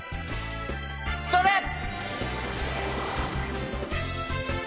ストレッ！